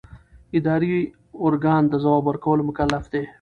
اداري ارګان د ځواب ورکولو مکلف دی.